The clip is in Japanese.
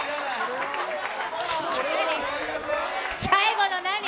最後の何？